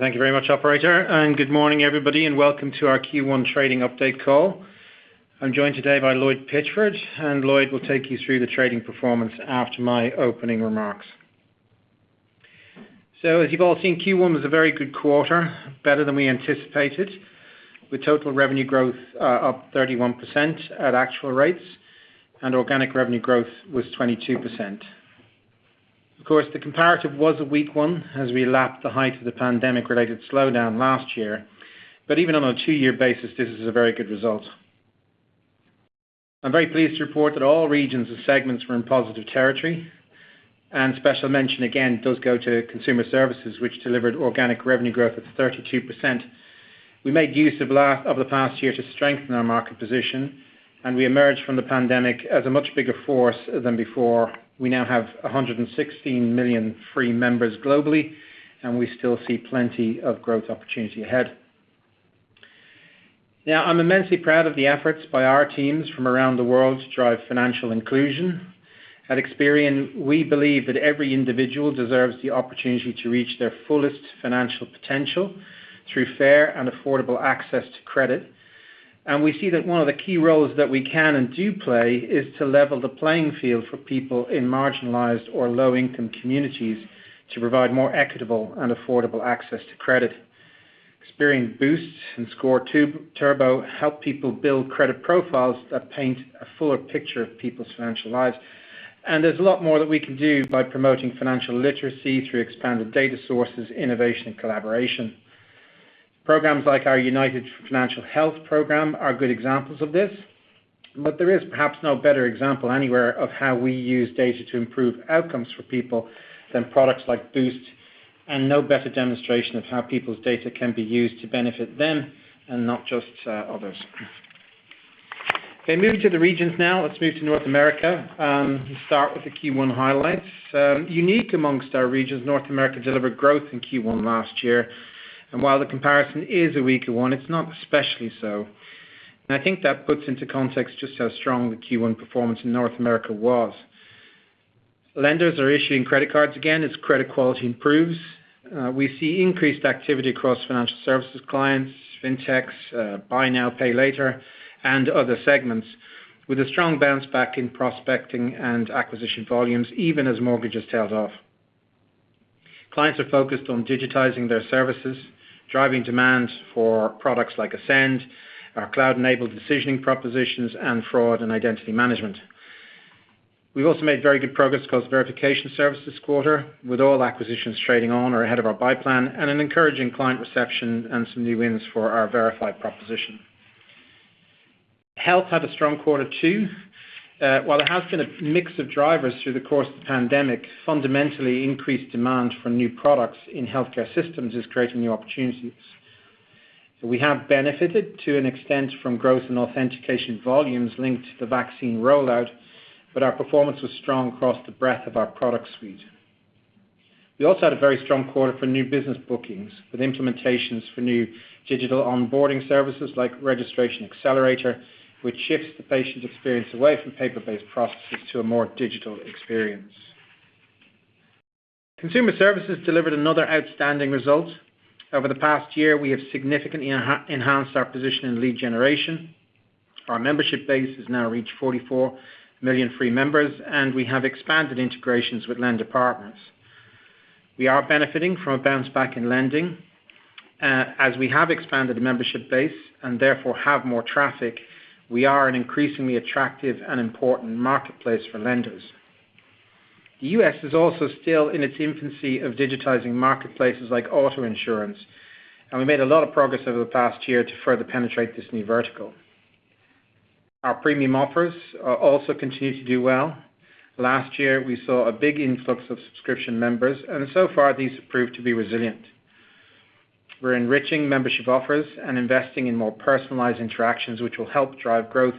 Thank you very much, operator, and good morning, everybody, and welcome to our Q1 trading update call. I'm joined today by Lloyd Pitchford, and Lloyd will take you through the trading performance after my opening remarks. As you've all seen, Q1 was a very good quarter, better than we anticipated, with total revenue growth up 31% at actual rates and organic revenue growth was 22%. Of course, the comparative was a weak one as we lapped the height of the pandemic-related slowdown last year. Even on a two year basis, this is a very good result. I'm very pleased to report that all regions and segments were in positive territory, and special mention again does go to consumer services, which delivered organic revenue growth of 32%. We made use of the past year to strengthen our market position. We emerged from the pandemic as a much bigger force than before. We now have 116 million free members globally. We still see plenty of growth opportunity ahead. I'm immensely proud of the efforts by our teams from around the world to drive financial inclusion. At Experian, we believe that every individual deserves the opportunity to reach their fullest financial potential through fair and affordable access to credit. We see that one of the key roles that we can and do play is to level the playing field for people in marginalized or low-income communities to provide more equitable and affordable access to credit. Experian Boost and Score Turbo help people build credit profiles that paint a fuller picture of people's financial lives. There's a lot more that we can do by promoting financial literacy through expanded data sources, innovation, and collaboration. Programs like our United for Financial Health program are good examples of this, but there is perhaps no better example anywhere of how we use data to improve outcomes for people than products like Boost, and no better demonstration of how people's data can be used to benefit them and not just others. Okay, moving to the regions now. Let's move to North America and start with the Q1 highlights. Unique amongst our regions, North America delivered growth in Q1 last year, and while the comparison is a weaker one, it's not especially so. I think that puts into context just how strong the Q1 performance in North America was. Lenders are issuing credit cards again as credit quality improves. We see increased activity across financial services clients, fintechs, buy now, pay later, and other segments with a strong bounce back in prospecting and acquisition volumes even as mortgages tail off. Clients are focused on digitizing their services, driving demand for products like Ascend, our cloud-enabled decisioning propositions, and fraud and identity management. We also made very good progress across verification services quarter, with all acquisitions trading on or ahead of our buy plan and an encouraging client reception and some new wins for our Verify proposition. Health had a strong quarter, too. While it has had a mix of drivers through the course of the pandemic, fundamentally increased demand for new products in healthcare systems is creating the opportunities. We have benefited to an extent from growth in authentication volumes linked to the vaccine rollout, but our performance was strong across the breadth of our product suite. We also had a very strong quarter for new business bookings, with implementations for new digital onboarding services like Registration Accelerator, which shifts the patient experience away from paper-based processes to a more digital experience. Consumer services delivered another outstanding result. Over the past year, we have significantly enhanced our position in lead generation. Our membership base has now reached 44 million free members, and we have expanded integrations with lender partners. We are benefiting from a bounce back in lending. As we have expanded the membership base and therefore have more traffic, we are an increasingly attractive and important marketplace for lenders. The U.S. is also still in its infancy of digitizing marketplaces like auto insurance, and we made a lot of progress over the past year to further penetrate this new vertical. Our premium offers also continue to do well. Last year, we saw a big influx of subscription members, and so far these have proved to be resilient. We're enriching membership offers and investing in more personalized interactions which will help drive growth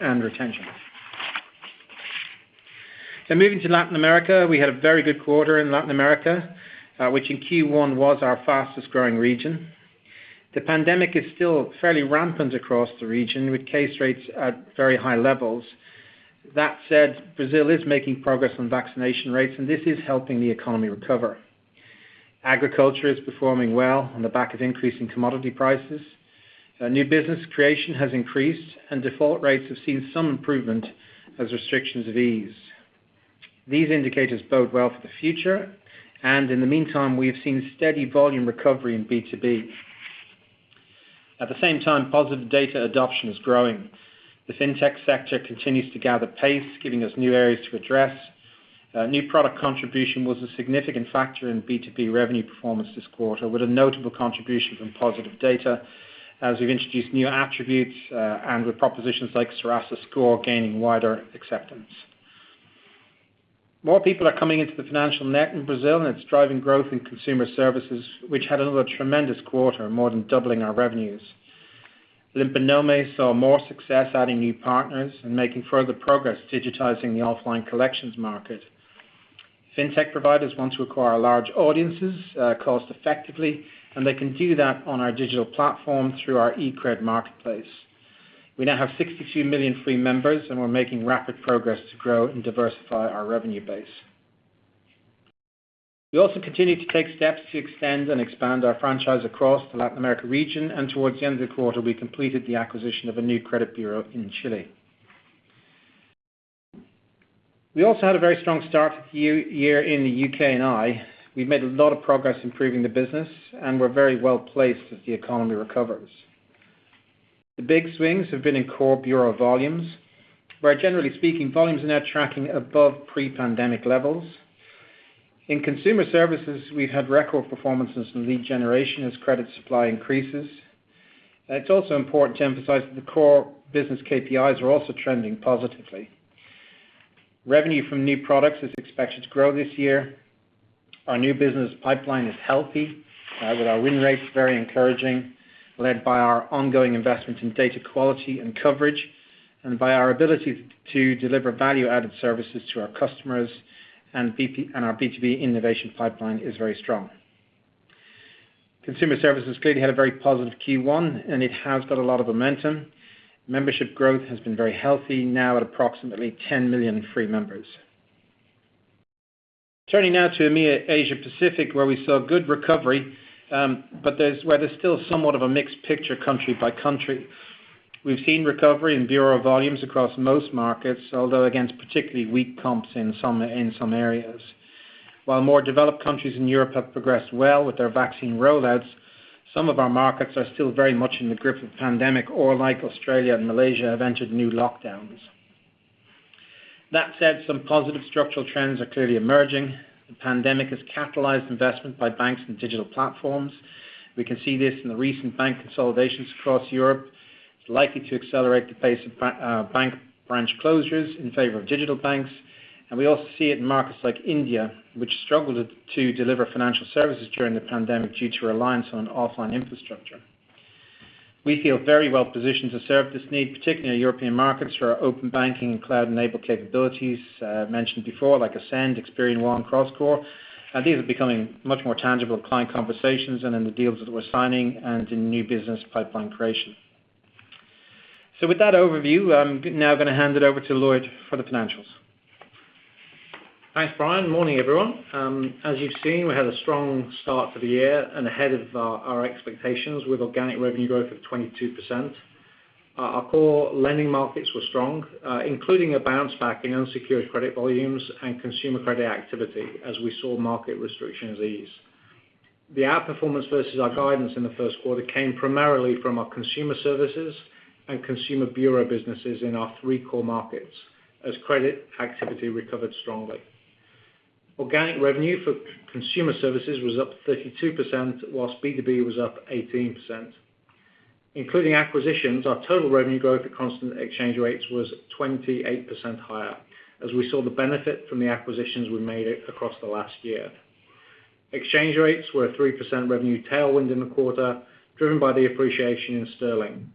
and retention. Now moving to Latin America. We had a very good quarter in Latin America, which in Q1 was our fastest-growing region. The pandemic is still fairly rampant across the region, with case rates at very high levels. That said, Brazil is making progress on vaccination rates, and this is helping the economy recover. Agriculture is performing well on the back of increasing commodity prices. New business creation has increased, and default rates have seen some improvement as restrictions have eased. These indicators bode well for the future, and in the meantime, we've seen steady volume recovery in B2B. At the same time, positive data adoption is growing. The fintech sector continues to gather pace, giving us new areas to address. New product contribution was a significant factor in B2B revenue performance this quarter, with a notable contribution from positive data as we've introduced new attributes and with propositions like Serasa Score gaining wider acceptance. More people are coming into the financial net in Brazil, and it's driving growth in consumer services, which had another tremendous quarter, more than doubling our revenues. Limpa Nome saw more success adding new partners and making further progress digitizing the offline collections market. Fintech providers want to acquire large audiences cost-effectively, and they can do that on our digital platform through our eCred marketplace. We now have 62 million free members, and we're making rapid progress to grow and diversify our revenue base. We also continue to take steps to extend and expand our franchise across the Latin America region. Towards the end of the quarter, we completed the acquisition of a new credit bureau in Chile. We also had a very strong start to the year in the UK and Ireland. We've made a lot of progress improving the business, and we're very well-placed as the economy recovers. The big swings have been in core bureau volumes, where generally speaking, volumes are now tracking above pre-pandemic levels. In consumer services, we had record performances from lead generation as credit supply increases. It's also important to emphasize that the core business KPIs are also trending positively. Revenue from new products is expected to grow this year. Our new business pipeline is healthy, with our win rates very encouraging, led by our ongoing investment in data quality and coverage, and by our ability to deliver value-added services to our customers, and our B2B innovation pipeline is very strong. Consumer services clearly had a very positive Q1, and it has built a lot of momentum. Membership growth has been very healthy, now at approximately 10 million free members. Turning now to EMEA Asia Pacific, where we saw good recovery, but where there's still somewhat of a mixed picture country by country. We've seen recovery in bureau volumes across most markets, although against particularly weak comps in some areas. More developed countries in Europe have progressed well with their vaccine rollouts, some of our markets are still very much in the grip of the pandemic or, like Australia and Malaysia, have entered new lockdowns. Some positive structural trends are clearly emerging. The pandemic has catalyzed investment by banks and digital platforms. We can see this in the recent bank consolidations across Europe. It's likely to accelerate the pace of bank branch closures in favor of digital banks. We also see it in markets like India, which struggled to deliver financial services during the pandemic due to reliance on offline infrastructure. We feel very well positioned to serve this need, particularly in European markets through our open banking and cloud-enabled capabilities mentioned before, like Ascend, Experian Wallace Core, and these are becoming much more tangible client conversations and in the deals that we're signing and in new business pipeline creation. With that overview, I'm now going to hand it over to Lloyd for the financials. Thanks, Brian. Morning, everyone. As you've seen, we had a strong start to the year and ahead of our expectations with organic revenue growth of 22%. Our core lending markets were strong, including a bounce back in unsecured credit volumes and consumer credit activity as we saw market restrictions ease. The outperformance versus our guidance in the first quarter came primarily from our consumer services and consumer bureau businesses in our three core markets as credit activity recovered strongly. Organic revenue for consumer services was up 32%, whilst B2B was up 18%. Including acquisitions, our total revenue growth at constant exchange rates was 28% higher as we saw the benefit from the acquisitions we made across the last year. Exchange rates were a 3% revenue tailwind in the quarter, driven by the appreciation in sterling.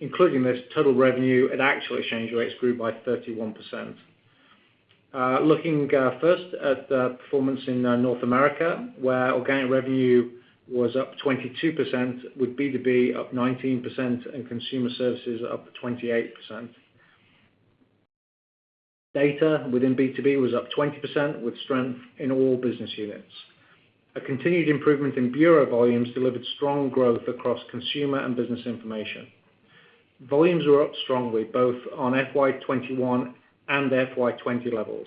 Including this, total revenue at actual exchange rates grew by 31%. Looking first at the performance in North America, where organic revenue was up 22%, with B2B up 19% and consumer services up 28%. Data within B2B was up 20%, with strength in all business units. A continued improvement in bureau volumes delivered strong growth across consumer and business information. Volumes were up strongly, both on FY 2021 and FY 2020 levels,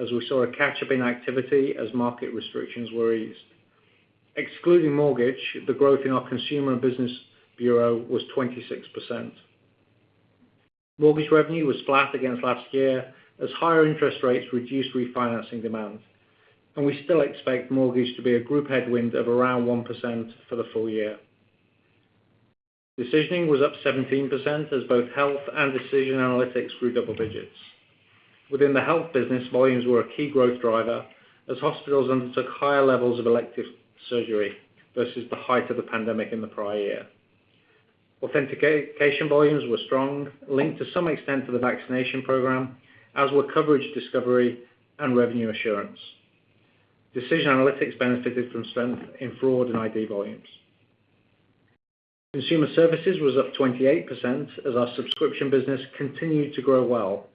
as we saw a catch-up in activity as market restrictions were eased. Excluding mortgage, the growth in our consumer and business bureau was 26%. Mortgage revenue was flat against last year as higher interest rates reduced refinancing demand. We still expect mortgage to be a group headwind of around 1% for the full year. Decisioning was up 17% as both health and decision analytics grew double digits. Within the Health business, volumes were a key growth driver as hospitals undertook higher levels of elective surgery versus the height of the pandemic in the prior year. Authentication volumes were strong, linked to some extent to the vaccination program, as were Coverage Discovery and Revenue Assurance. Decision Analytics benefited from strength in fraud and ID volumes. Consumer Services was up 28% as our subscription business continued to grow well,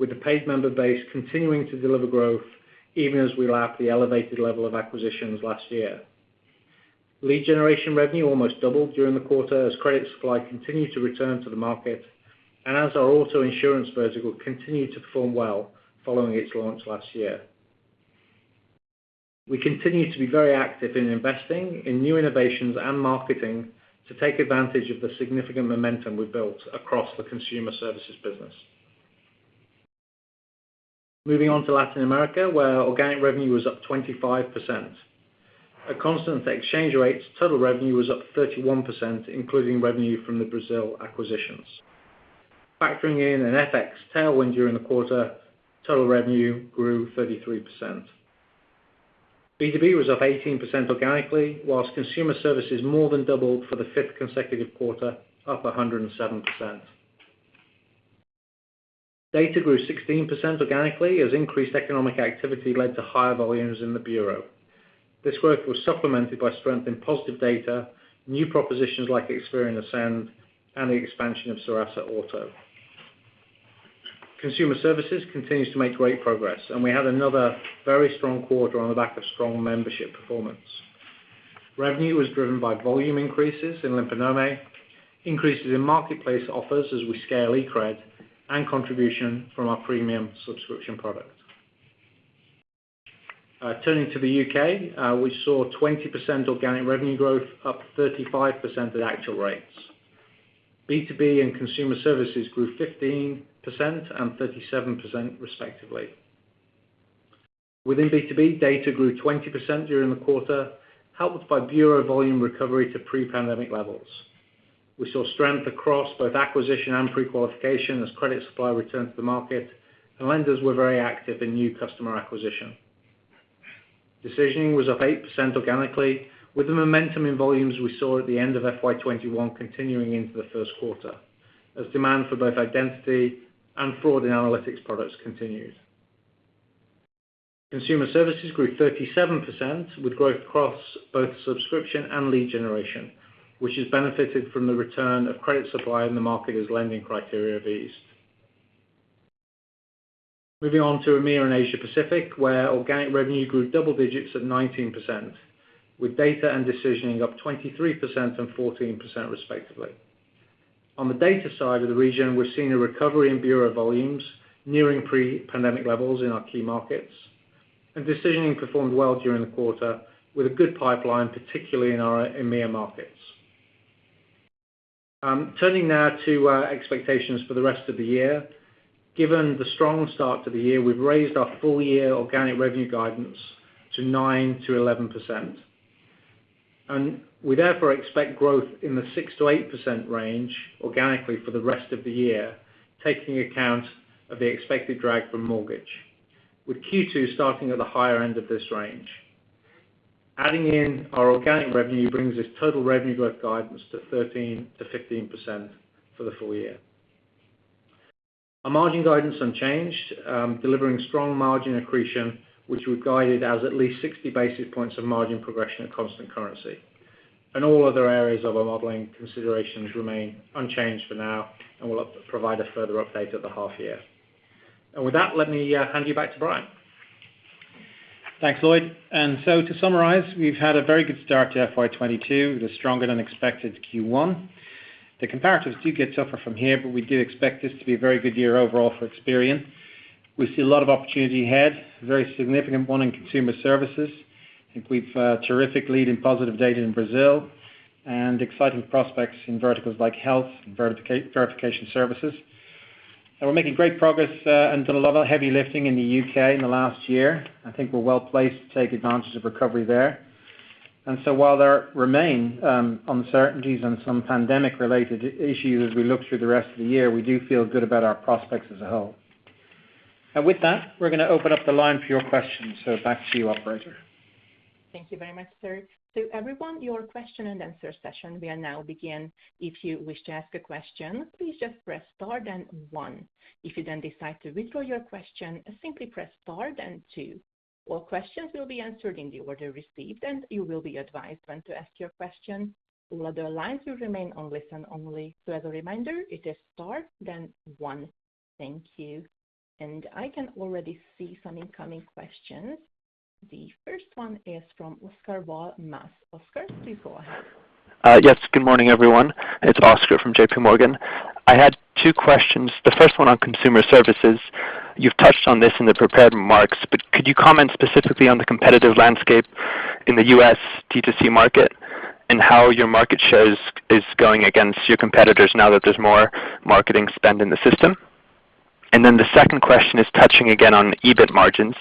with the paid member base continuing to deliver growth even as we lap the elevated level of acquisitions last year. Lead generation revenue almost doubled during the quarter as credit supply continued to return to the market and as our auto insurance vertical continued to perform well following its launch last year. We continue to be very active in investing in new innovations and marketing to take advantage of the significant momentum we've built across the Consumer Services business. Moving on to Latin America, where organic revenue was up 25%. At constant exchange rates, total revenue was up 31%, including revenue from the Brazil acquisitions. Factoring in an FX tailwind during the quarter, total revenue grew 33%. B2B was up 18% organically, whilst consumer services more than doubled for the fifth consecutive quarter, up 107%. Data grew 16% organically as increased economic activity led to higher volumes in the bureau. This work was supplemented by strength in positive data, new propositions like Experian Ascend, and the expansion of Serasa Auto. Consumer services continues to make great progress. We had another very strong quarter on the back of strong membership performance. Revenue was driven by volume increases in Limpa Nome, increases in marketplace offers as we scale eCred, and contribution from our premium subscription product. Turning to the U.K., we saw 20% organic revenue growth, up 35% at actual rates. B2B and consumer services grew 15% and 37% respectively. Within B2B, data grew 20% during the quarter, helped by bureau volume recovery to pre-pandemic levels. We saw strength across both acquisition and pre-qualification as credit supply returned to the market, and lenders were very active in new customer acquisition. Decisioning was up 8% organically, with the momentum in volumes we saw at the end of FY 2021 continuing into the first quarter, as demand for both identity and fraud analytics products continued. Consumer services grew 37%, with growth across both subscription and lead generation, which has benefited from the return of credit supply in the market as lending criteria have eased. Moving on to EMEA and Asia Pacific, where organic revenue grew double digits at 19%, with data and decisioning up 23% and 14% respectively. On the data side of the region, we're seeing a recovery in bureau volumes nearing pre-pandemic levels in our key markets. Decisioning performed well during the quarter with a good pipeline, particularly in our EMEA markets. Turning now to our expectations for the rest of the year. Given the strong start to the year, we've raised our full-year organic revenue guidance to 9%-11%. We therefore expect growth in the 6%-8% range organically for the rest of the year, taking account of the expected drag from mortgage, with Q2 starting at the higher end of this range. Adding in our organic revenue brings this total revenue growth guidance to 13%-15% for the full year. Our margin guidance unchanged, delivering strong margin accretion, which we've guided as at least 60 basis points of margin progression at constant currency. All other areas of our modeling considerations remain unchanged for now, and we'll provide a further update at the half year. With that, let me hand you back to Brian. Thanks, Lloyd. To summarize, we've had a very good start to FY 2022 with a stronger-than-expected Q1. The comparatives do get tougher from here, but we do expect this to be a very good year overall for Experian. We see a lot of opportunity ahead, a very significant one in consumer services. I think we've a terrific lead in positive data in Brazil and exciting prospects in verticals like health and verification services. We're making great progress and did a lot of heavy lifting in the U.K. in the last year. I think we're well-placed to take advantage of recovery there. While there remain uncertainties and some pandemic-related issues as we look through the rest of the year, we do feel good about our prospects as a whole. With that, we're going to open up the line for your questions. Back to you, operator. Thank you very much, sir. Everyone, your question and answer session will now begin. If you wish to ask a question, please just press star then one. If you then decide to withdraw your question, simply press star then two. All questions will be answered in the order received, and you will be advised when to ask your question. All other lines will remain on listen only. As a reminder, it is star then one. Thank you. I can already see some incoming questions. The first one is from Oscar Val Mas. Oscar, please go ahead. Yes. Good morning, everyone. It's Oscar from JPMorgan. I had two questions. The first one on consumer services. You've touched on this in the prepared remarks. Could you comment specifically on the competitive landscape in the U.S. D2C market and how your market share is going against your competitors now that there's more marketing spend in the system? The second question is touching again on EBIT margins.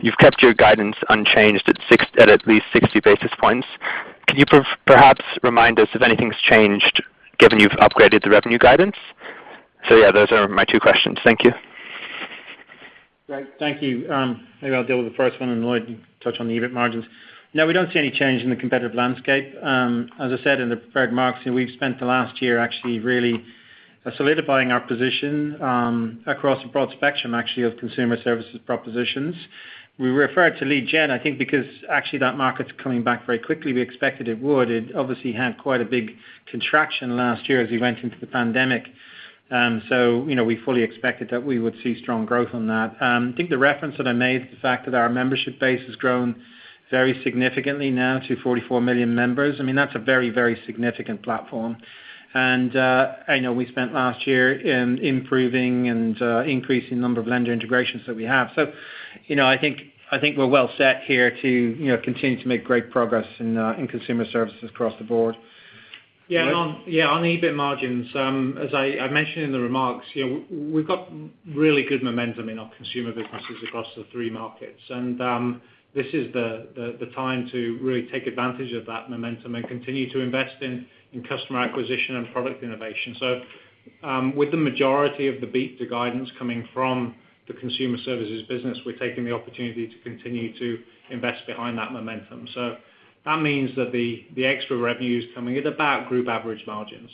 You've kept your guidance unchanged at least 60 basis points. Could you perhaps remind us if anything's changed given you've upgraded the revenue guidance? Those are my two questions. Thank you. Great. Thank you. Maybe I'll deal with the first one, and Lloyd can touch on the EBIT margins. No, we don't see any change in the competitive landscape. As I said in the prepared remarks, we've spent the last year actually really solidifying our position across a broad spectrum, actually, of consumer services propositions. We refer to lead gen, I think, because actually that market's coming back very quickly. We expected it would. It obviously had quite a big contraction last year as we went into the pandemic. We fully expected that we would see strong growth on that. I think the reference that I made to the fact that our membership base has grown very significantly now to 44 million members, I mean, that's a very, very significant platform. We spent last year improving and increasing the number of lender integrations that we have. I think we're well set here to continue to make great progress in consumer services across the board. Yeah. On EBIT margins, as I mentioned in the remarks, we've got really good momentum in our consumer businesses across the three markets. This is the time to really take advantage of that momentum and continue to invest in customer acquisition and product innovation. With the majority of the beat to guidance coming from the consumer services business, we're taking the opportunity to continue to invest behind that momentum. That means that the extra revenue is coming at about group average margins.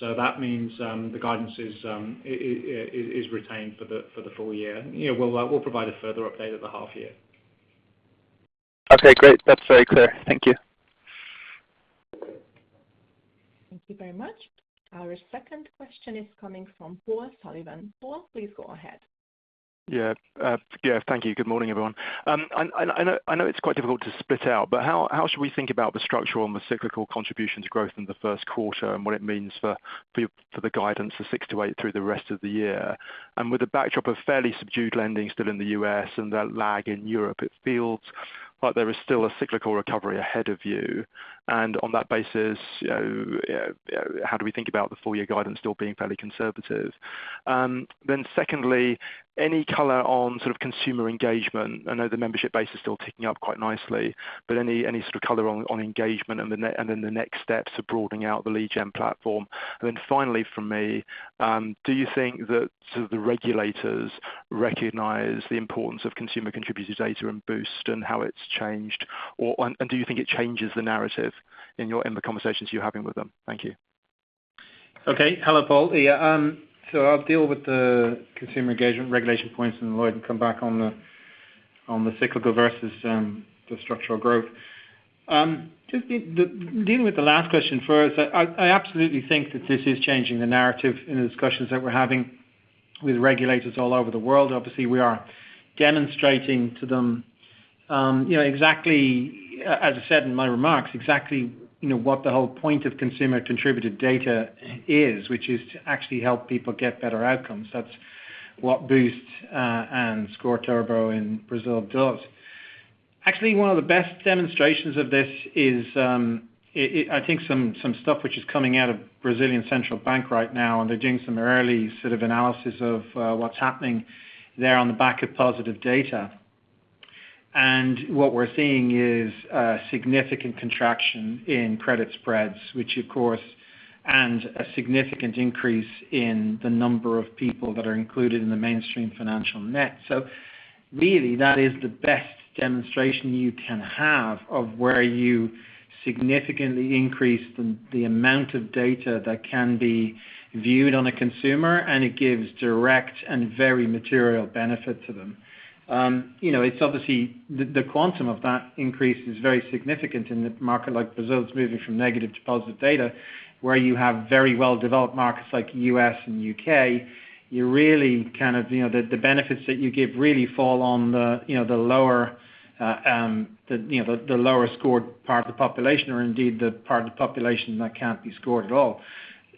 That means the guidance is retained for the full year. We'll provide a further update at the half year. Okay, great. That's very clear. Thank you. Thank you very much. Our second question is coming from Paul Sullivan. Paul, please go ahead. Yeah. Thank you. Good morning, everyone. I know it's quite difficult to split out, but how should we think about the structural and the cyclical contributions growth in the first quarter and what it means for the guidance for 6%-8% through the rest of the year? With the backdrop of fairly subdued lending still in the U.S. and that lag in Europe, it feels like there is still a cyclical recovery ahead of you. On that basis, how do we think about the full-year guidance still being fairly conservative? Secondly, any color on consumer engagement? I know the membership base is still ticking up quite nicely, but any sort of color on engagement and then the next steps of broadening out the Lead Gen platform. Finally from me, do you think that the regulators recognize the importance of consumer-contributed data and Boost and how it's changed? Do you think it changes the narrative in the conversations you're having with them? Thank you. Hello, Paul. Yeah, I'll deal with the consumer engagement regulation points and Lloyd can come back on the cyclical versus the structural growth. Just dealing with the last question first, I absolutely think that this is changing the narrative in the discussions that we're having with regulators all over the world. We are demonstrating to them, as I said in my remarks, exactly what the whole point of consumer-contributed data is, which is to actually help people get better outcomes. That's what Boost and Score Turbo in Brazil does. One of the best demonstrations of this is I think some stuff which is coming out of Brazilian Central Bank right now, and they're doing some early analysis of what's happening there on the back of positive data. What we're seeing is a significant contraction in credit spreads, and a significant increase in the number of people that are included in the mainstream financial net. Really, that is the best demonstration you can have of where you significantly increase the amount of data that can be viewed on a consumer, and it gives direct and very material benefit to them. Obviously, the quantum of that increase is very significant in a market like Brazil's moving from negative to positive data, where you have very well-developed markets like U.S. and U.K. The benefits that you give really fall on the lower-scored part of the population or indeed the part of the population that can't be scored at all.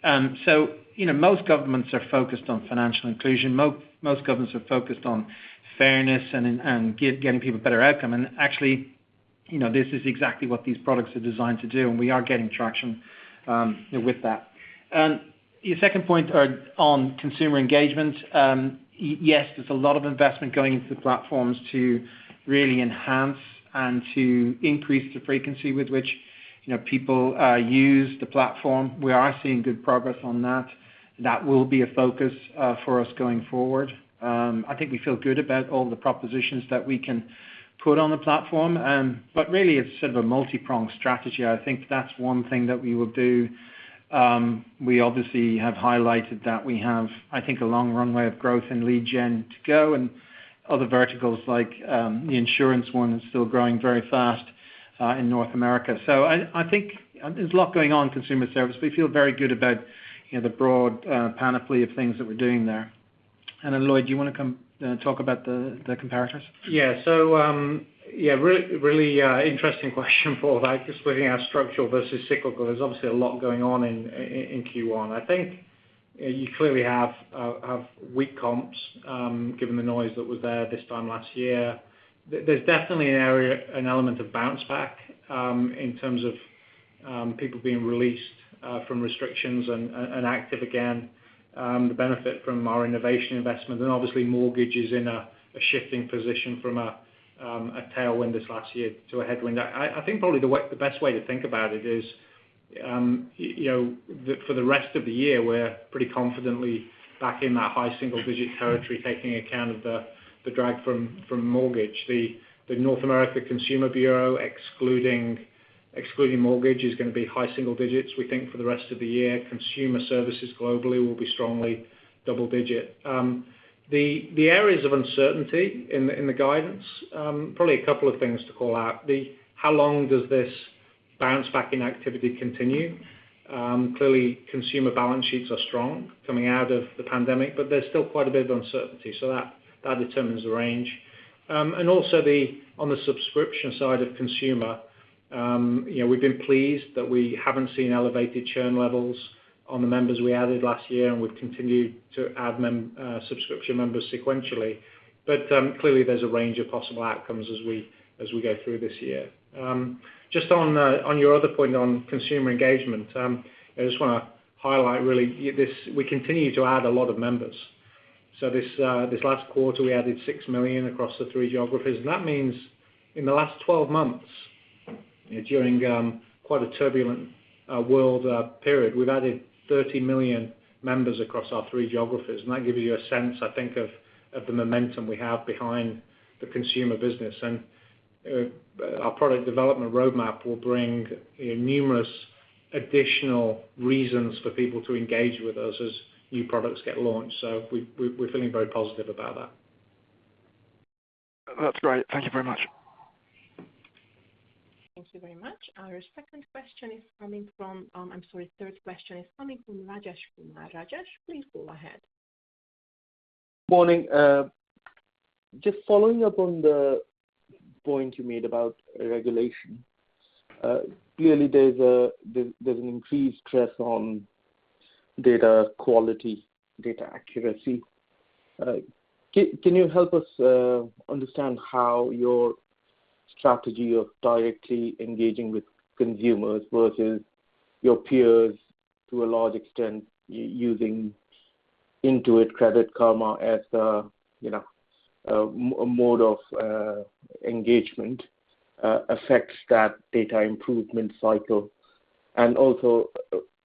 Most governments are focused on financial inclusion. Most governments are focused on fairness and getting people better outcome. Actually, this is exactly what these products are designed to do, and we are getting traction with that. Your second point on consumer engagement. Yes, there's a lot of investment going into the platforms to really enhance and to increase the frequency with which people use the platform. We are seeing good progress on that. That will be a focus for us going forward. I think we feel good about all the propositions that we can put on the platform, but really it's a multi-pronged strategy. I think that's one thing that we will do. We obviously have highlighted that we have, I think, a long runway of growth in Lead Gen to go and other verticals like the insurance one is still growing very fast in North America. I think there's a lot going on in consumer service. We feel very good about the broad panoply of things that we're doing there. Lloyd, do you want to come talk about the comparisons? Yeah. Really interesting question, Paul, splitting out structural versus cyclical. There's obviously a lot going on in Q1. I think you clearly have weak comps, given the noise that was there this time last year. There's definitely an element of bounce back in terms of people being released from restrictions and active again. The benefit from our innovation investment and obviously mortgages in a shifting position from a tailwind this last year to a headwind. I think probably the best way to think about it is, for the rest of the year, we're pretty confidently back in that high single-digit territory, taking account of the drag from mortgage. The North America Consumer Bureau, excluding mortgage, is going to be high single digits, we think, for the rest of the year. Consumer services globally will be strongly double digit. The areas of uncertainty in the guidance, probably a couple of things to call out. How long does this bounce back in activity continue? Clearly, consumer balance sheets are strong coming out of the pandemic, but there's still quite a bit of uncertainty. That determines the range. Also on the subscription side of consumer, we've been pleased that we haven't seen elevated churn levels on the members we added last year, and we've continued to add subscription members sequentially. Clearly, there's a range of possible outcomes as we go through this year. Just on your other point on consumer engagement, I just want to highlight really, we continue to add a lot of members. This last quarter, we added 6 million across the three geographies. That means in the last 12 months, during quite a turbulent world period, we've added 30 million members across our three geographies. That gives you a sense, I think, of the momentum we have behind the consumer business. Our product development roadmap will bring numerous additional reasons for people to engage with us as new products get launched. We're feeling very positive about that. That's great. Thank you very much. Thank you very much. Our third question is coming from Rajesh. Rajesh, please go ahead. Morning. Just following up on the point you made about regulation. Clearly, there's an increased stress on data quality, data accuracy. Can you help us understand how your strategy of directly engaging with consumers versus your peers to a large extent, using Intuit Credit Karma as a mode of engagement affects that data improvement cycle? Also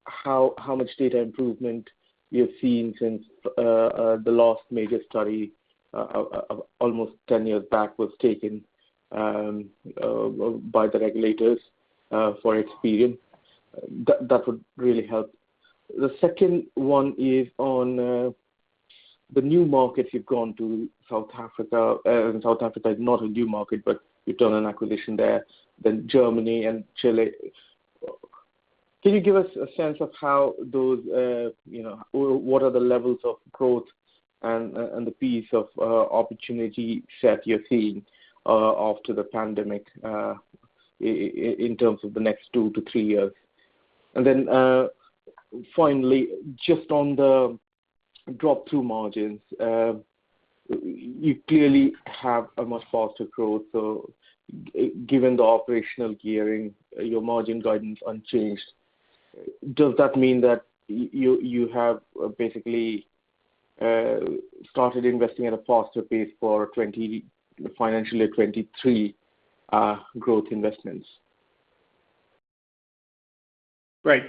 how much data improvement you're seeing since the last major study almost 10 years back was taken by the regulators for Experian? That would really help. The second one is on the new markets you've gone to, South Africa. South Africa is not a new market, but you've done an acquisition there, then Germany and Chile. Can you give us a sense of what are the levels of growth and the piece of opportunity set you're seeing after the pandemic in terms of the next 2-3 years? Finally, just on the drop-through margins, you clearly have a much faster growth. Given the operational gearing, your margin guidance unchanged, does that mean that you have basically started investing at a faster pace for FY 2023 growth investments? Great.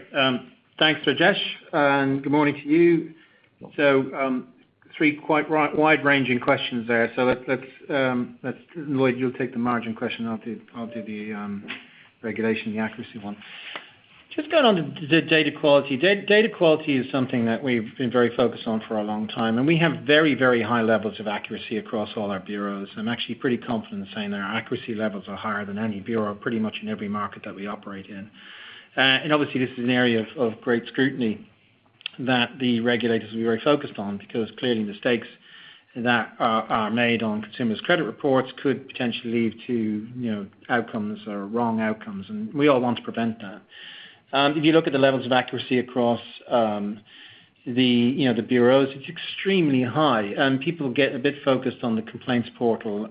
Thanks, Rajesh. Good morning to you. Three quite wide-ranging questions there. Lloyd, you'll take the margin question. I'll do the regulation, the accuracy one. Just going on the data quality. Data quality is something that we've been very focused on for a long time, and we have very high levels of accuracy across all our bureaus. I'm actually pretty confident saying our accuracy levels are higher than any bureau, pretty much in every market that we operate in. Obviously, this is an area of great scrutiny that the regulators are very focused on because clearly mistakes that are made on consumers' credit reports could potentially lead to outcomes or wrong outcomes, and we all want to prevent that. If you look at the levels of accuracy across the bureaus, it's extremely high. People get a bit focused on the complaints portal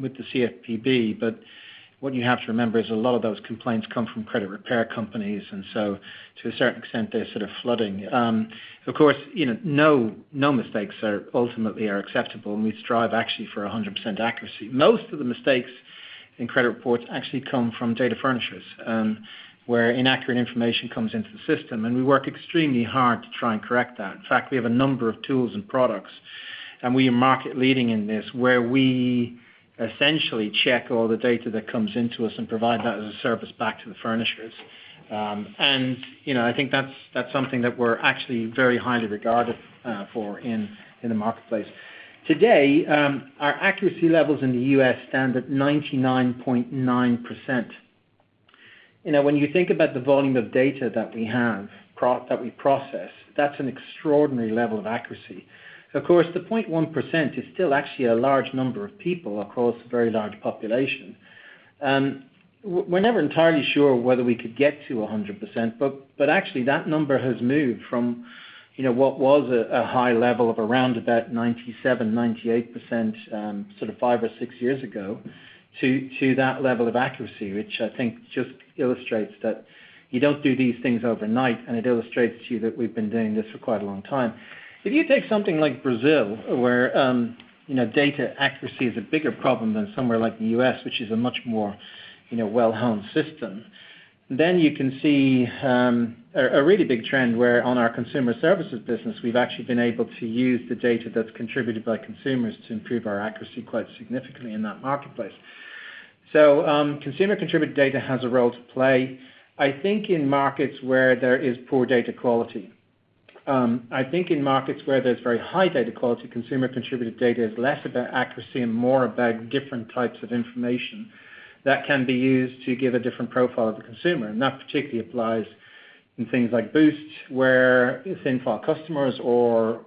with the CFPB, but what you have to remember is a lot of those complaints come from credit repair companies, and so to a certain extent, they're sort of flooding. Of course, no mistakes ultimately are acceptable, and we strive actually for 100% accuracy. Most of the mistakes in credit reports actually come from data furnishers, where inaccurate information comes into the system, and we work extremely hard to try and correct that. In fact, we have a number of tools and products, and we are market leading in this, where we essentially check all the data that comes into us and provide that as a service back to the furnishers. I think that's something that we're actually very highly regarded for in the marketplace. Today, our accuracy levels in the U.S. stand at 99.9%. When you think about the volume of data that we have, that we process, that's an extraordinary level of accuracy. Of course, the 0.1% is still actually a large number of people across a very large population. We're never entirely sure whether we could get to 100%, but actually that number has moved from what was a high level of around about 97%, 98% sort of five or six years ago to that level of accuracy, which I think just illustrates that you don't do these things overnight, and it illustrates to you that we've been doing this for quite a long time. If you take something like Brazil, where data accuracy is a bigger problem than somewhere like the U.S., which is a much more well-honed system, you can see a really big trend where on our consumer services business, we've actually been able to use the data that's contributed by consumers to improve our accuracy quite significantly in that marketplace. Consumer-contributed data has a role to play, I think in markets where there is poor data quality. I think in markets where there's very high data quality, consumer-contributed data is less about accuracy and more about different types of information that can be used to give a different profile of the consumer. That particularly applies in things like Boost, where thin-file customers or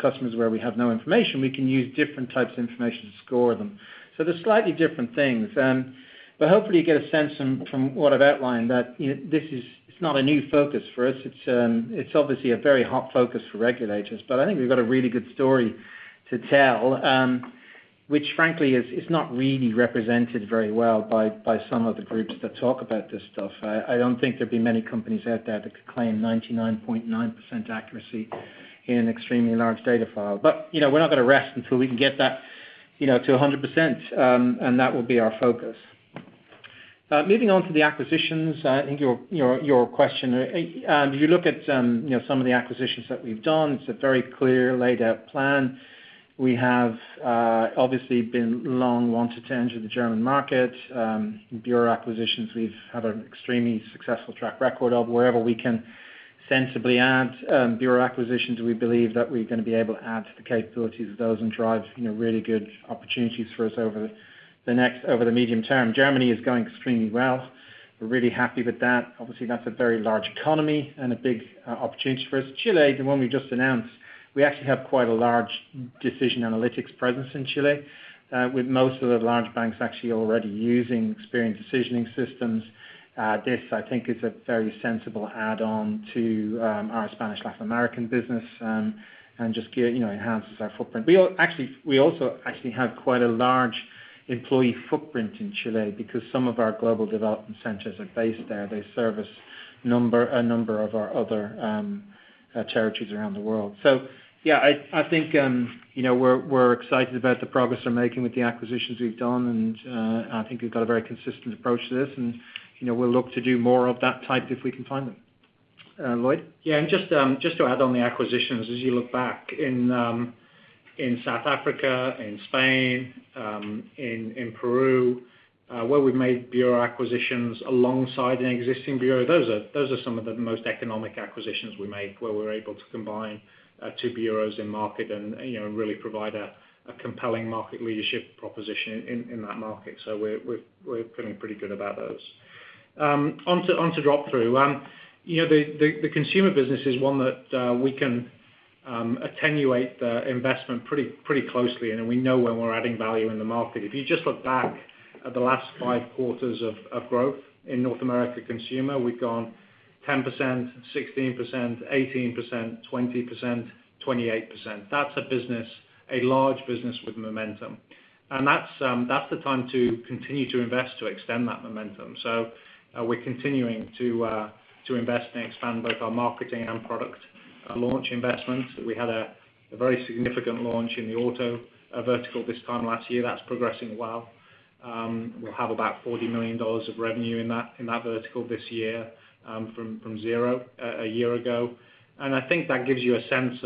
customers where we have no information, we can use different types of information to score them. They're slightly different things. Hopefully you get a sense from what I've outlined that this is not a new focus for us. It's obviously a very hot focus for regulators, but I think we've got a really good story to tell, which frankly is not really represented very well by some of the groups that talk about this stuff. I don't think there'd be many companies out there that could claim 99.9% accuracy in an extremely large data file. We're not going to rest until we can get that to 100%, and that will be our focus. Leading on to the acquisitions in your question. You look at some of the acquisitions that we've done. It's a very clear laid out plan. We have obviously been long wanting to enter the German market. Bureau acquisitions, we've had an extremely successful track record of wherever we can sensibly add bureau acquisitions. We believe that we're going to be able to add to the capabilities of those and drive really good opportunities for us over the medium term. Germany is going extremely well. We're really happy with that. Obviously, that's a very large economy and a big opportunity for us. Chile, the one we just announced, we actually have quite a large decision analytics presence in Chile with most of the large banks actually already using Experian decisioning systems. This, I think is a very sensible add-on to our Spanish-Latin American business, and just enhances our footprint. We also actually have quite a large employee footprint in Chile because some of our global development centers are based there. They service a number of our other territories around the world. Yeah, I think, we're excited about the progress we're making with the acquisitions we've done, and I think we've got a very consistent approach to this, and we'll look to do more of that type if we can find them. Lloyd? Just to add on the acquisitions, as you look back in South Africa, in Spain, in Peru, where we've made bureau acquisitions alongside an existing bureau, those are some of the most economic acquisitions we make, where we're able to combine two bureaus in market and really provide a compelling market leadership proposition in that market. We're feeling pretty good about those. On to drop-through. The consumer business is one that we can attenuate the investment pretty closely, and we know when we're adding value in the market. If you just look back at the last five quarters of growth in North America consumer, we've gone 10%, 16%, 18%, 20%, 28%. That's a large business with momentum. That's the time to continue to invest to extend that momentum. We're continuing to invest and expand both our marketing and product launch investments. We had a very significant launch in the auto vertical this time last year. That's progressing well. We'll have about GBP 40 million of revenue in that vertical this year from 0 a year ago. I think that gives you a sense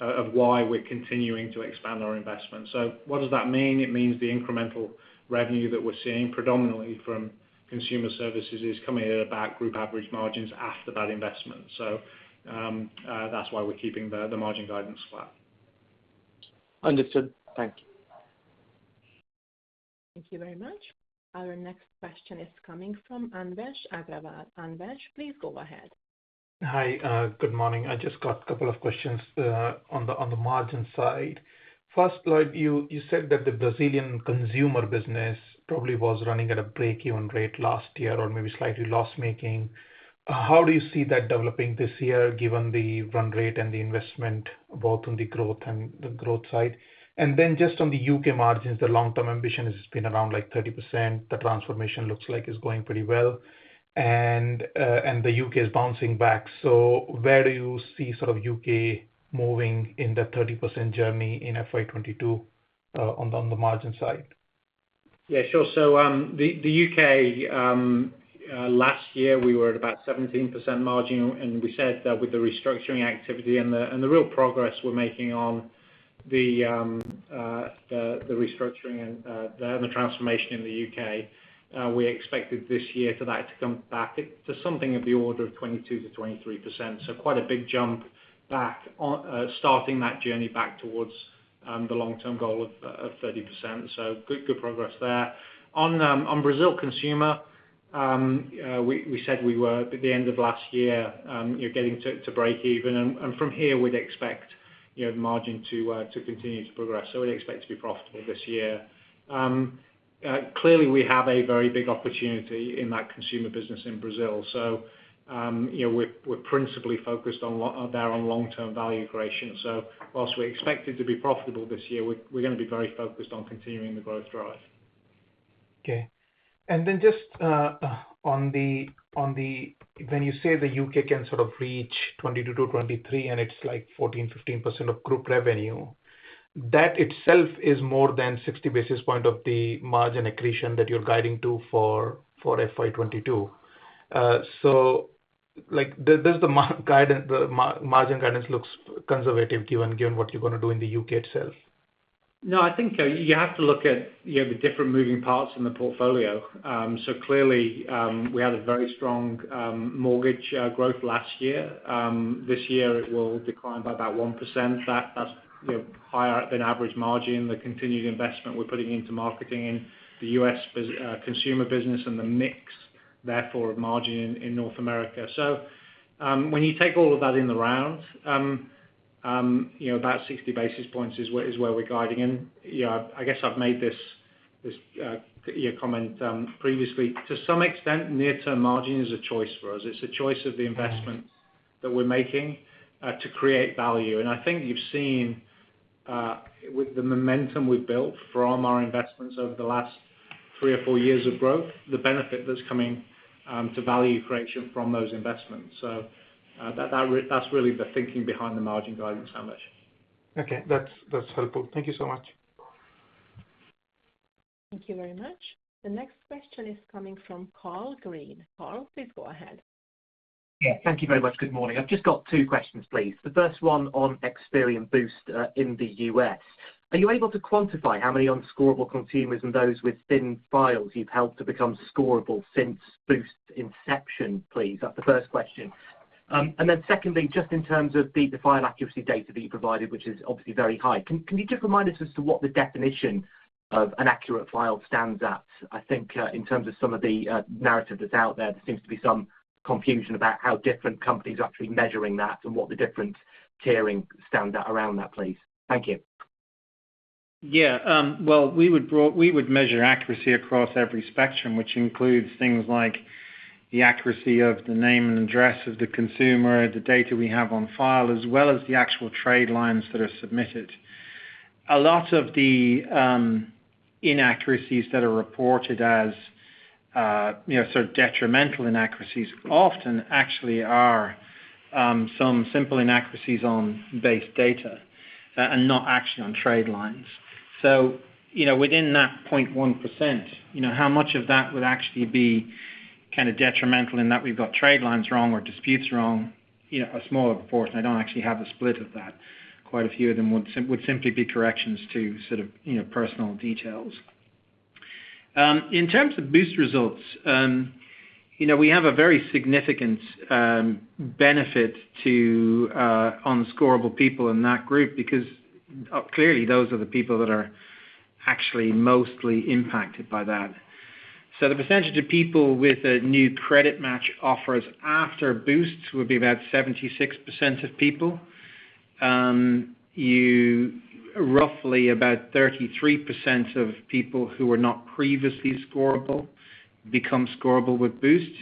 of why we're continuing to expand our investment. What does that mean? It means the incremental revenue that we're seeing predominantly from consumer services is coming at about group average margins after that investment. That's why we're keeping the margin guidance flat. Understood. Thank you. Thank you very much. Our next question is coming from Anvesh Agrawal. Anvesh, please go ahead. Hi, good morning. I just got a couple of questions on the margin side. Lloyd, you said that the Brazilian consumer business probably was running at a break-even rate last year or maybe slightly loss-making. How do you see that developing this year, given the run rate and the investment both on the growth side? Just on the U.K. margins, the long-term ambition has been around 30%. The transformation looks like it's going pretty well and the U.K. is bouncing back. Where do you see sort of U.K. moving in that 30% journey in FY 2022 on the margin side? Yeah, sure. The U.K., last year we were at about 17% margin, and we said that with the restructuring activity and the real progress we're making on the restructuring and the transformation in the U.K., we expected this year for that to come back to something of the order of 22%-23%. Quite a big jump back, starting that journey back towards the long-term goal of 30%. Good progress there. On Brazil consumer, we said we were at the end of last year getting to break even, and from here we'd expect margin to continue to progress. We expect to be profitable this year. Clearly we have a very big opportunity in that consumer business in Brazil. We're principally focused there on long-term value creation. Whilst we expect it to be profitable this year, we're going to be very focused on continuing the growth drive. Okay. Just when you say the U.K. Can sort of reach 22%-23%, and it's like 14%-15% of group revenue, that itself is more than 60 basis point of the margin accretion that you're guiding to for FY22. Does the margin guidance looks conservative given what you want to do in the U.K. itself? I think you have to look at the different moving parts in the portfolio. Clearly, we had a very strong mortgage growth last year. This year it will decline by about 1%. That's higher than average margin, the continued investment we're putting into marketing in the U.S. consumer business and the mix therefore of margin in North America. When you take all of that in the round, about 60 basis points is where we're guiding. I guess I've made this comment previously. To some extent, near-term margin is a choice for us. It's a choice of the investments that we're making to create value. I think you've seen with the momentum we've built from our investments over the last three or four years of growth, the benefit that's coming to value creation from those investments. That's really the thinking behind the margin guidance, Anvesh. Okay, that's helpful. Thank you so much. Thank you very much. The next question is coming from Paul Green. Paul, please go ahead. Yeah, thank you very much. Good morning. I've just got two questions, please. The first one on Experian Boost in the U.S. Are you able to quantify how many unscorable consumers and those with thin files you've helped to become scorable since Boost inception, please? That's the first question. Secondly, just in terms of the file accuracy data that you provided, which is obviously very high, can you just remind us as to what the definition of an accurate file stands at? I think in terms of some of the narrative that's out there seems to be some confusion about how different companies are actually measuring that and what the different tiering stand at around that, please. Thank you. Yeah. Well, we would measure accuracy across every spectrum, which includes things like the accuracy of the name and address of the consumer, the data we have on file, as well as the actual trade lines that are submitted. A lot of the inaccuracies that are reported as detrimental inaccuracies often actually are some simple inaccuracies on base data and not actually on trade lines. Within that 0.1%, how much of that would actually be detrimental in that we've got trade lines wrong or disputes wrong? A smaller proportion. I don't actually have a split of that. Quite a few of them would simply be corrections to personal details. In terms of Boost results, we have a very significant benefit to unscorable people in that group because clearly those are the people that are actually mostly impacted by that. The percentage of people with new credit match offers after Boost would be about 76% of people. Roughly about 33% of people who were not previously scorable become scorable with Boost.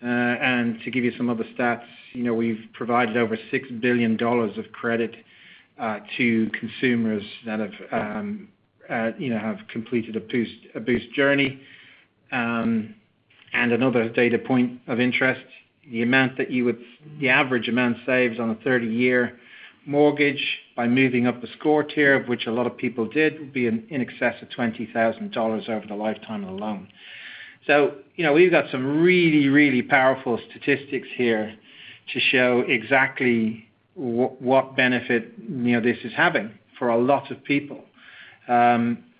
To give you some other stats, we've provided over $6 billion of credit to consumers that have completed a Boost journey. Another data point of interest, the average amount saved on a 30-year mortgage by moving up a score tier, of which a lot of people did, would be in excess of $20,000 over the lifetime of the loan. We've got some really, really powerful statistics here to show exactly what benefit this is having for a lot of people.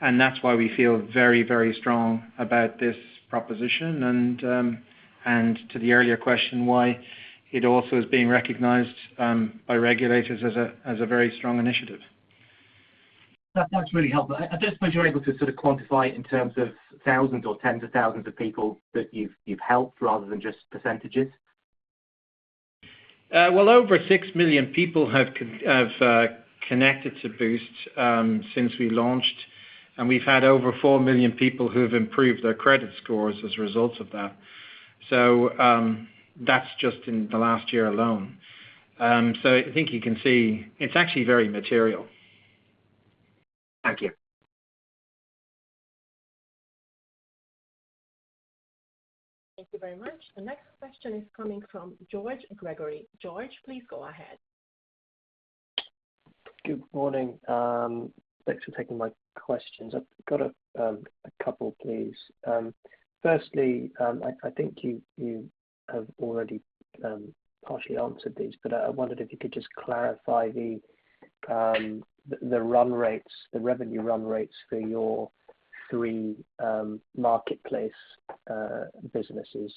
That's why we feel very, very strong about this proposition and, to the earlier question, why it also is being recognized by regulators as a very strong initiative. That is really helpful. I just wonder if you are able to quantify it in terms of thousands or tens of thousands of people that you have helped rather than just percentages. Well, over 6 million people have connected to Boost since we launched, and we've had over 4 million people who have improved their credit scores as a result of that. That's just in the last year alone. I think you can see it's actually very material. Thank you. Thank you very much. The next question is coming from George Gregory. George, please go ahead. Good morning. Thanks for taking my questions. I've got a couple, please. Firstly, I think you have already partially answered these, but I wondered if you could just clarify the revenue run rates for your three marketplace businesses,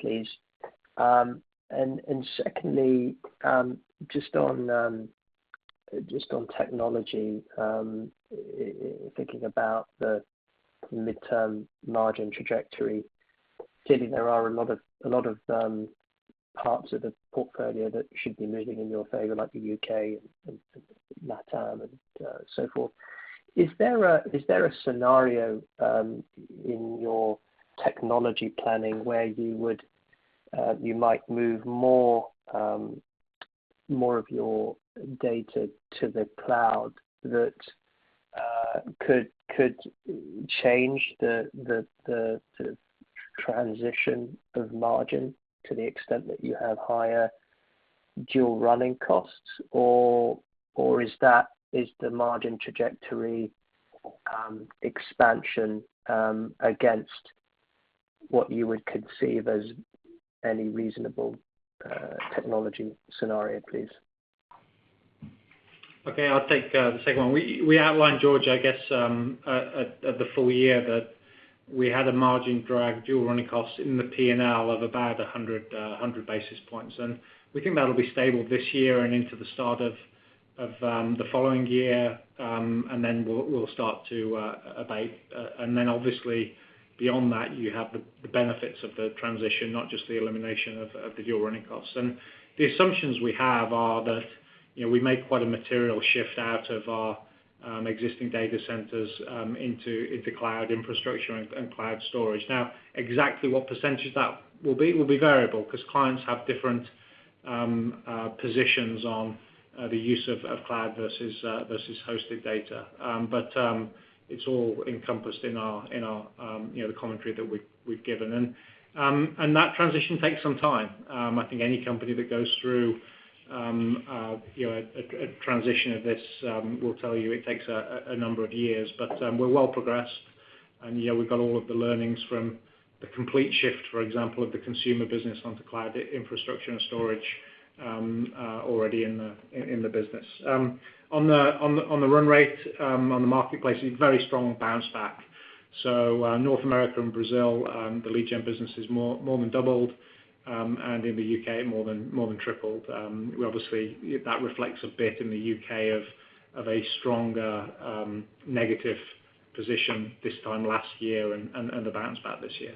please. Secondly, just on technology, thinking about the midterm margin trajectory, clearly there are a lot of parts of the portfolio that should be moving in your favor, like the U.K. and LatAm and so forth. Is there a scenario in your technology planning where you might move more of your data to the cloud that could change the transition of margin to the extent that you have higher dual running costs? Or is the margin trajectory expansion against what you would conceive as any reasonable technology scenario, please? Okay, I'll take the second one. We outlined, George, I guess, at the full year that we had a margin drag dual running costs in the P&L of about 100 basis points, and we think that'll be stable this year and into the start of the following year, and then we'll start to abate. Obviously, beyond that, you have the benefits of the transition, not just the elimination of the dual running costs. The assumptions we have are that we make quite a material shift out of our existing data centers into cloud infrastructure and cloud storage. Now, exactly what percent that will be will be variable because clients have different positions on the use of cloud versus hosted data. It's all encompassed in our commentary that we've given. That transition takes some time. I think any company that goes through a transition of this will tell you it takes a number of years, but we're well progressed. We've got all of the learnings from the complete shift, for example, of the consumer business onto cloud infrastructure and storage already in the business. On the run rate, on the marketplace, a very strong bounce back. North America and Brazil, the lead gen business is more than doubled, and in the U.K. more than tripled. Obviously, that reflects a bit in the U.K. of a stronger negative position this time last year and the bounce back this year.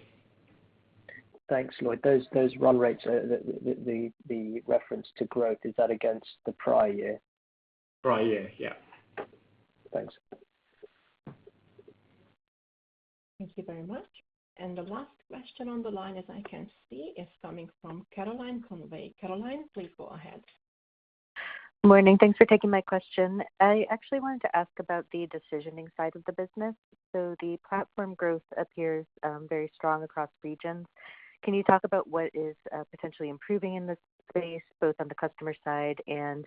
Thanks, Lloyd. Those run rates, the reference to growth, is that against the prior year? Prior year, yeah. Thanks. Thank you very much. The last question on the line, as I can see, is coming from Caroline Conway. Caroline, please go ahead. Morning. Thanks for taking my question. I actually wanted to ask about the decisioning side of the business. The platform growth appears very strong across regions. Can you talk about what is potentially improving in this space, both on the customer side and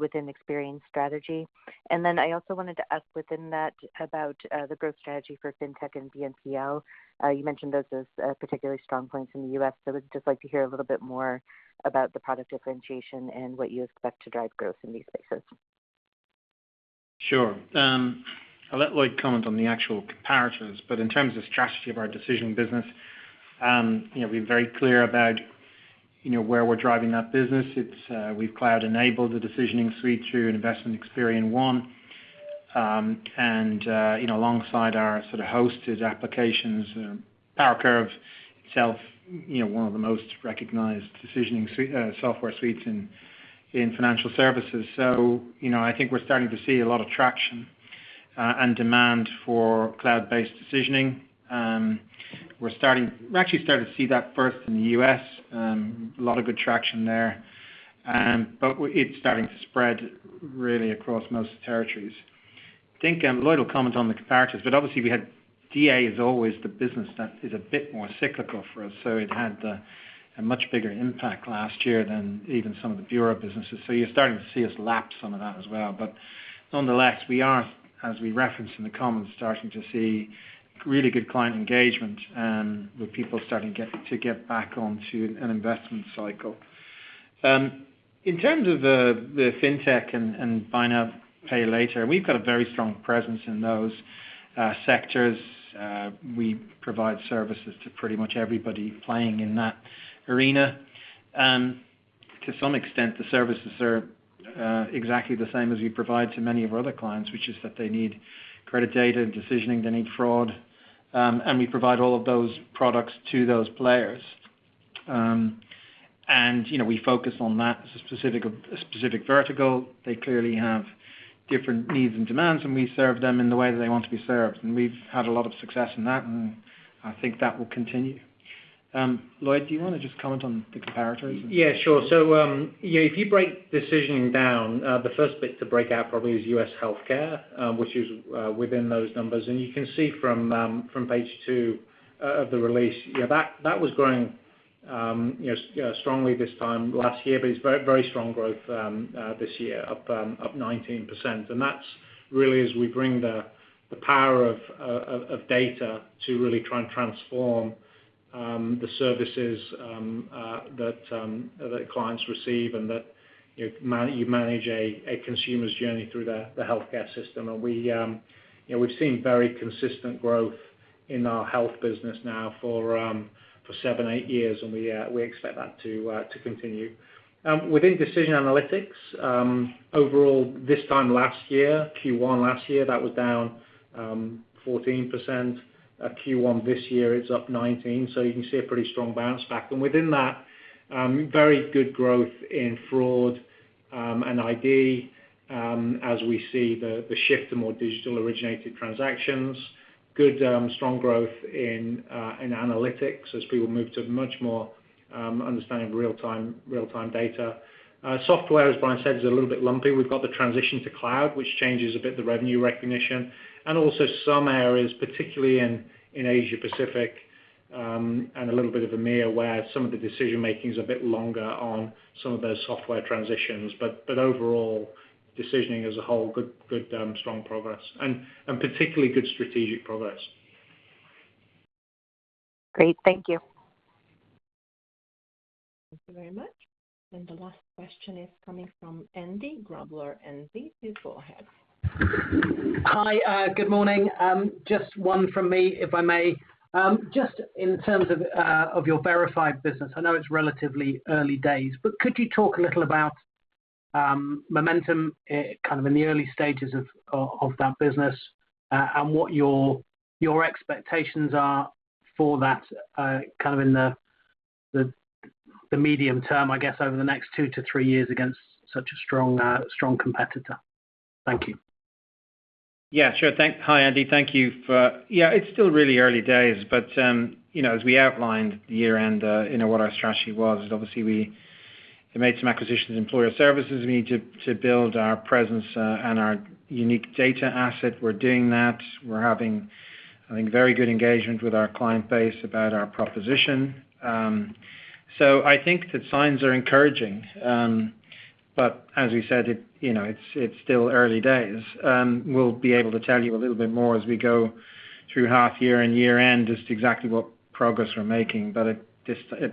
within Experian strategy? Then I also wanted to ask within that about the growth strategy for fintech and BNPL. You mentioned those as particularly strong points in the U.S. We'd just like to hear a little bit more about the product differentiation and what you expect to drive growth in these places. Sure. I'll let Lloyd comment on the actual comparisons, but in terms of strategy of our decision business, we're very clear about where we're driving that business. We've cloud-enabled the decisioning suite through investment in Experian One. Alongside our hosted applications, PowerCurve itself, one of the most recognized decisioning software suites in financial services. I think we're starting to see a lot of traction and demand for cloud-based decisioning. We're actually starting to see that first in the U.S., a lot of good traction there. It's starting to spread really across most territories. I think Lloyd will comment on the comparisons, but obviously DA is always the business that is a bit more cyclical for us, so it had a much bigger impact last year than even some of the bureau businesses. You're starting to see us lap some of that as well. Nonetheless, we are, as we referenced in the comments, starting to see really good client engagement, with people starting to get back onto an investment cycle. In terms of the fintech and buy now, pay later, we've got a very strong presence in those sectors. We provide services to pretty much everybody playing in that arena. To some extent, the services are exactly the same as we provide to many of our other clients, which is that they need credit data, decisioning, they need fraud. We provide all of those products to those players. We focus on that as a specific vertical. They clearly have different needs and demands, and we serve them in the way they want to be served. We've had a lot of success in that, and I think that will continue. Lloyd, do you want to just comment on the comparisons? Yeah, sure. If you break decisioning down, the first bit to break out probably is U.S. healthcare, which is within those numbers. You can see from page two of the release, that was growing strongly this time last year, but it's very strong growth this year, up 19%. That's really as we bring the power of data to really try and transform the services that clients receive and that you manage a consumer's journey through the healthcare system. We've seen very consistent growth in our health business now for seven, eight years, and we expect that to continue. Within Decision Analytics, overall this time last year, Q1 last year, that was down 14%. Q1 this year, it's up 19%, you can see a pretty strong bounce back. Within that, very good growth in fraud and ID, as we see the shift to more digital-originated transactions. Good, strong growth in analytics as people move to much more understanding real-time data. Software, as Brian said, is a little bit lumpy. We've got the transition to cloud, which changes a bit the revenue recognition, and also some areas, particularly in Asia-Pacific, and a little bit of EMEA, where some of the decision-making is a bit longer on some of those software transitions. Overall, decisioning as a whole, good strong progress and particularly good strategic progress. Great. Thank you. Thank you very much. The last question is coming from Andy Grobler. Andy, please go ahead. Hi, good morning. Just one from me, if I may. In terms of your Verified business, I know it's relatively early days, but could you talk a little about momentum kind of in the early stages of that business and what your expectations are for that kind of in the medium term, I guess, over the next two to three years against such a strong competitor? Thank you. Yeah, sure. Hi, Andy. Yeah, it's still really early days, as we outlined at the year-end, what our strategy was is obviously we made some acquisitions in employer services. We need to build our presence and our unique data asset. We're doing that. We're having very good engagement with our client base about our proposition. I think the signs are encouraging. As we said, it's still early days. We'll be able to tell you a little bit more as we go through half year and year end as to exactly what progress we're making. At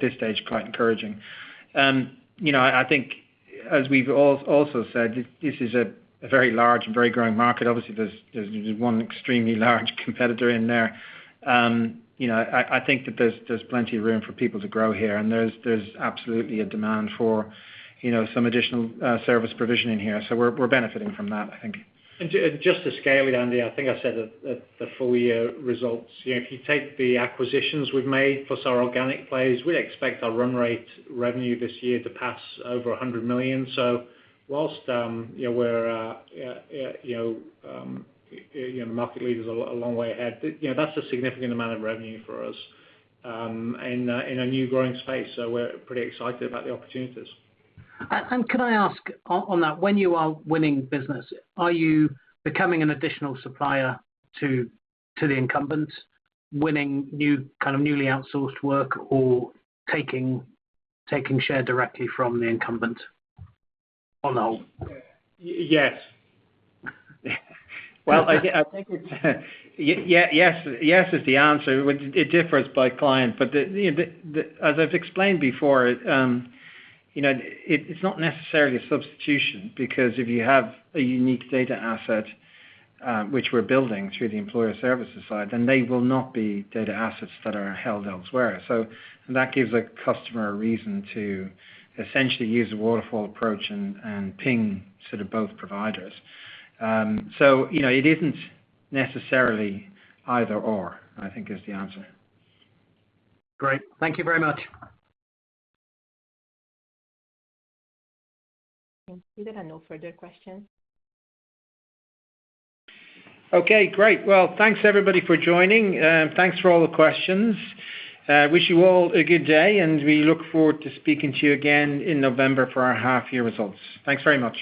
this stage, quite encouraging. I think as we've also said, this is a very large and very growing market. Obviously, there's one extremely large competitor in there. I think that there's plenty of room for people to grow here, and there's absolutely a demand for some additional service provision in here. We're benefiting from that, I think. Just the scale, Andy, I think I said at the full year results. If you take the acquisitions we've made, plus our organic plays, we expect our run rate revenue this year to pass over $100 million. Whilst market leaders are a long way ahead, but that's a significant amount of revenue for us in a new growing space. We're pretty excited about the opportunities. Can I ask on that, when you are winning business, are you becoming an additional supplier to the incumbents, winning newly outsourced work, or taking share directly from the incumbent or not? Yes. Yes is the answer. It differs by client, but as I've explained before, it's not necessarily a substitution because if you have a unique data asset, which we're building through the employer services side, then they will not be data assets that are held elsewhere. That gives a customer a reason to essentially use a waterfall approach and ping both providers. It isn't necessarily either/or, I think is the answer. Great. Thank you very much. Thank you, Andy, for a good question. Okay, great. Well, thanks everybody for joining, and thanks for all the questions. Wish you all a good day, and we look forward to speaking to you again in November for our half year results. Thanks very much.